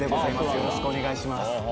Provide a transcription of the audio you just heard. よろしくお願いします。